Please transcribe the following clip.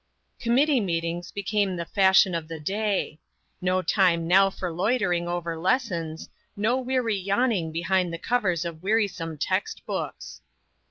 Committee meetings became the fashion of the day. No time now for loitering over lessons, no weary yawning behind the covers of wearisome text books.